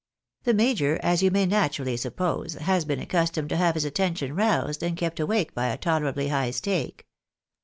The major, as you may naturally suppose, has been accustomed to have his attention roused and kept awake by a tolerably high stake.